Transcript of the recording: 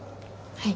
はい。